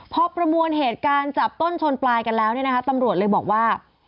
พอประมวลเหตุการณ์จับต้นชนปลายกันแล้วเนี่ยนะคะตำรวจเลยบอกว่า